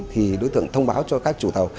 thì đối tượng thông báo cho các chủ tàu